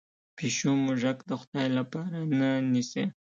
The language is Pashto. پیشو موږک د خدای لپاره نه نیسي.